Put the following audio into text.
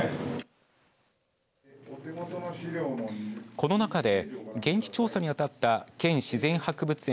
この中で現地調査に当たった県自然博物園